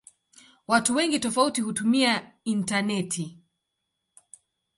Watu wengi tofauti hutumia intaneti.